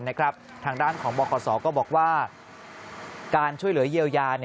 ทางด้านของบคศก็บอกว่าการช่วยเหลือเยียวยา